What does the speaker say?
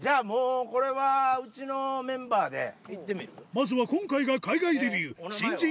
まずは今回が海外デビュー